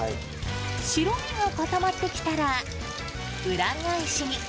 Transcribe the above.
白身が固まってきたら、裏返しに。